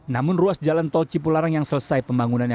namun ruas jalan tol cipularang yang selesai pembangunannya